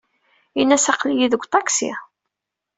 Ini-as aql-iyi deg uṭaksi.